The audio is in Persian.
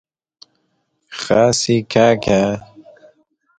دیکنز